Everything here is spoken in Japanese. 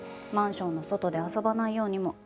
マンションの外で遊ばないようにも。